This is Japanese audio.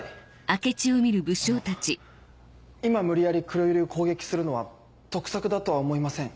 あの今無理やり黒百合を攻撃するのは得策だとは思いません。